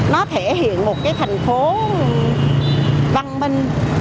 nó thể hiện một cái thành phố văn minh